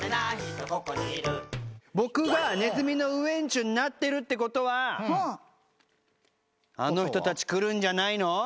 僕がネズミのウエンチュになってるってことはあの人たち来るんじゃないの？